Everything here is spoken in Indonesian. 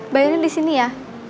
bayarin disini ya